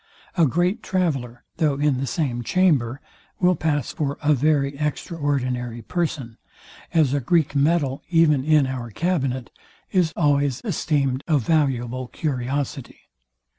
A great traveller, though in the same chamber, will pass for a very extraordinary person; as a Greek medal, even in our cabinet, is always esteemed a valuable curiosity.